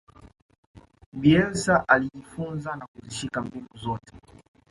bielsa alijifunza na kuzishika mbinu zote